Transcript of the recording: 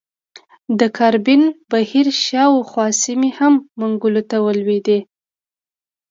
د کارابین بحیرې شاوخوا سیمې هم منګولو ته ولوېدې.